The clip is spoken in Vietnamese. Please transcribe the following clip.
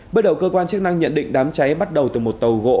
bước đầu cơ quan chức năng nhận định đám cháy bắt đầu từ một tàu gỗ